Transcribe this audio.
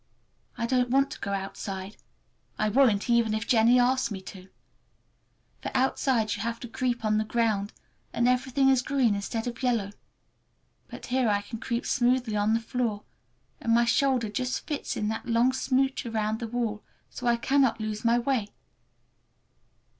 I don't want to go outside. I won't, even if Jennie asks me to. For outside you have to creep on the ground, and everything is green instead of yellow. But here I can creep smoothly on the floor, and my shoulder just fits in that long smooch around the wall, so I cannot lose my way.